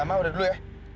mas udah dulu ya